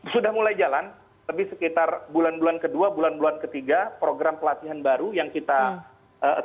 sudah mulai jalan lebih sekitar bulan bulan ke dua bulan bulan ke tiga program pelatihan baru yang kita assign di pelatnas cipayung itu sudah mulai jalan